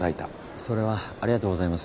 それはありがとうございます。